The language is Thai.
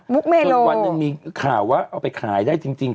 มุกเมโลจนวันนึงมีข่าวว่าเอาไปขายได้จริง